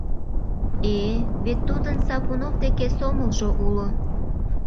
Э-э, вет тудын Сапунов деке сомылжо уло.